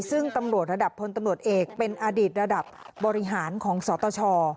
ซึ่งตำรวจระดับพลตำรวจเอกเป็นอดีตระดับบริหารของสตช